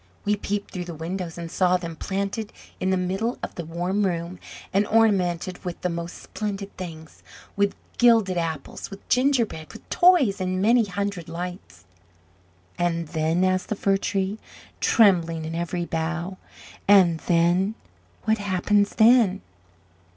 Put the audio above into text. We peeped through the windows, and saw them planted in the middle of the warm room, and ornamented with the most splendid things with gilded apples, with gingerbread, with toys, and many hundred lights!" "And then?" asked the Fir tree, trembling in every bough. "And then? What happens then?"